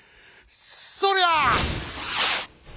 そりゃ」。